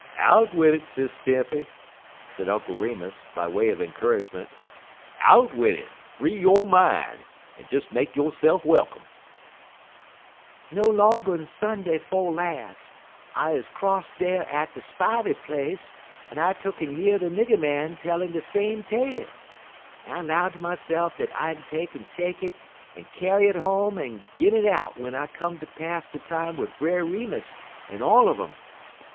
"Out wid it, Sis Tempy," said Uncle Remus, by way of encouragement; "out wid it; free yo' min', en des make yo'se'f welcome." "No longer'n Sunday 'fo' las', I 'uz 'cross dar at de Spivey place en I tuck'n year'd a nigger man tellin' de same tale, en I 'low ter myse'f dat I'd take'n take it en kyar' it home en gin it out w'en I come ter pass de time wid Brer Remus en all uv um.